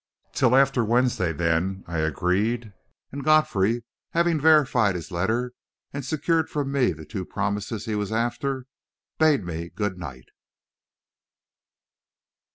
"Till after Wednesday, then," I agreed; and Godfrey, having verified his letter and secured from me the two promises he was after, bade me good night.